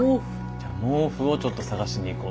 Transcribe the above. じゃあ毛布をちょっと探しに行こうと。